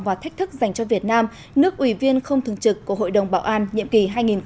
và thách thức dành cho việt nam nước ủy viên không thường trực của hội đồng bảo an nhiệm kỳ hai nghìn hai mươi hai nghìn hai mươi một